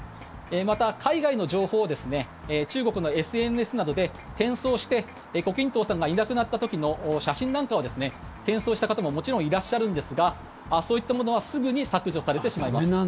また、海外の情報を中国のＳＮＳなどで転送して胡錦涛さんがいなくなった時の写真なんかを転送した方ももちろんいらっしゃるんですがそういったものはすぐに削除されてしまいます。